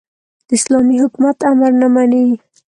د اسلامي حکومت امر نه مني.